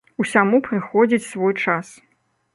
Усяму прыходзіць свой час.